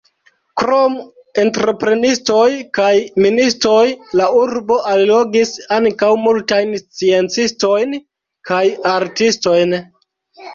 Krom entreprenistoj kaj ministoj la urbo allogis ankaŭ multajn sciencistojn kaj artistojn.